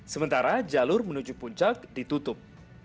sementara jalur menuju puncak ditutup